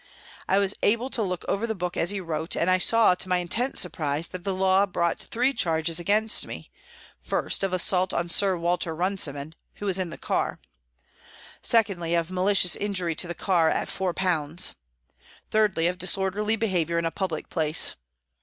I was able to look over the book as he wrote, and I saw, to my intense surprise, that the law brought three charges against me, first, of assault on Sir Walter Runciman, who was in the car ; secondly, of malicious injury to the car at 4 ; thirdly, of disorderly behaviour in a public place.